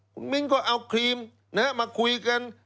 คุณมิ้นก็เอาครีมมาคุยกัน